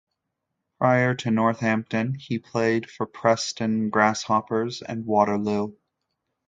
Prior to Northampton, he played for Preston Grasshoppers and Waterloo.